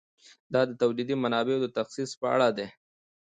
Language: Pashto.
دا د تولیدي منابعو د تخصیص په اړه دی.